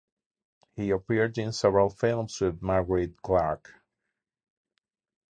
He appeared in several films with Marguerite Clark.